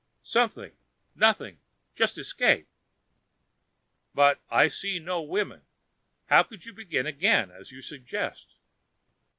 "Something. Nothing. Just escape " "But I see no women how could you begin again, as you suggest?"